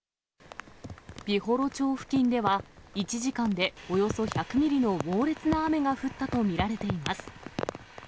美幌町付近では、１時間でおよそ１００ミリの猛烈な雨が降ったと見られています。